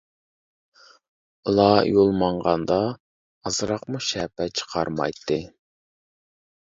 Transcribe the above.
ئۇلار يول ماڭغاندا ئازراقمۇ شەپە چىقارمايتتى.